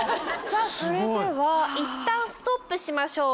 それではいったんストップしましょう。